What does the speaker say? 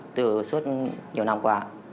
từ suốt nhiều năm qua